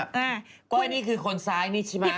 กล้วยนี่คือคนซ้ายนี่ใช่ไหม